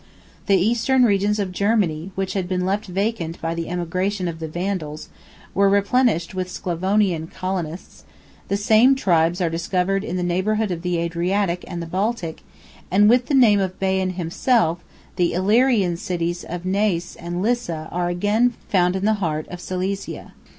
32 The eastern regions of Germany, which had been left vacant by the emigration of the Vandals, were replenished with Sclavonian colonists; the same tribes are discovered in the neighborhood of the Adriatic and of the Baltic, and with the name of Baian himself, the Illyrian cities of Neyss and Lissa are again found in the heart of Silesia.